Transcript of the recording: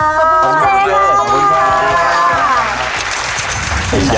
ขอบคุณคุณเจค่ะ